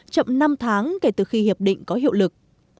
chậm năm tháng kể từ khi hiệp định có hiệu lực